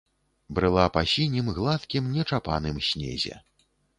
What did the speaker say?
Брыла па сінім гладкім нечапаным снезе.